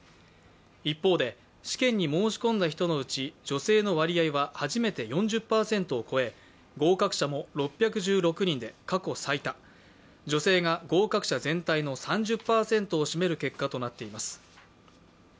一方で試験に申し込んだ人のうち女性の割合は初めて４０％を超え合格者も６１６人で過去最多女性が合格者全体の３０％を占める結果となっています。